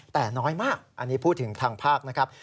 แต่น้อยมากอันนี้พูดถึงทางภาคนะครับ